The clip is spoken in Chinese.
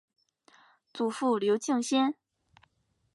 祖父刘敬先。